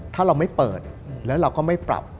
ถ้าเราไม่เปิดแล้วเราก็ไม่ปรับ